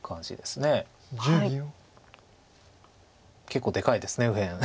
結構でかいです右辺。